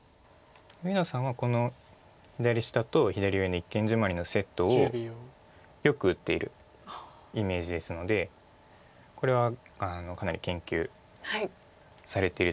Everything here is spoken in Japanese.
上野さんはこの左下と左上の一間ジマリのセットをよく打っているイメージですのでこれはかなり研究されていると思います。